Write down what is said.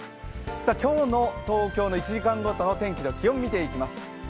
今日の東京の１時間ごとの天気を見ていきます。